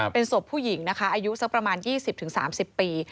เป็นศพผู้หญิงนะคะอายุสักประมาณ๒๐๓๐ปี